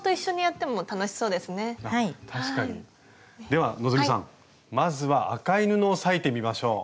では希さんまずは赤い布を裂いてみましょう。